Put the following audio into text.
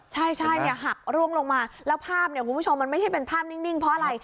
ใช่เนี่ยหักร่วงลงมาแล้วภาพเนี่ยคุณผู้ชมมันไม่ใช่เป็นภาพนิ่งเพราะอะไร